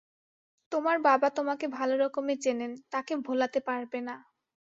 তোমার বাবা তোমাকে ভালো রকমই চেনেন, তাঁকে ভোলাতে পারবে না।